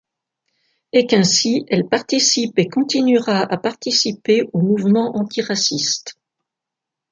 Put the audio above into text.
Et qu'ainsi elle participe et continuera à participer aux mouvements antiracistes.